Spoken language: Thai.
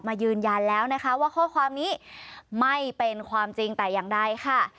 ยืนยันแล้วนะคะว่าข้อความนี้ไม่เป็นความจริงแต่อย่างใดค่ะ